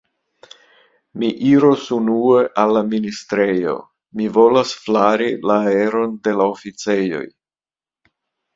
Mi iros unue al la ministrejo; mi volas flari la aeron de la oficejoj.